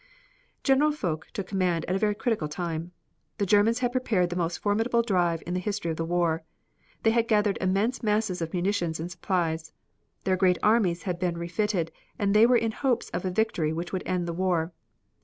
General Foch took command at a very critical time. The Germans had prepared the most formidable drive in the history of the war. They had gathered immense masses of munitions and supplies. Their great armies had been refitted and they were in hopes of a victory which would end the war.